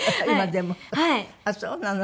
ああそうなの？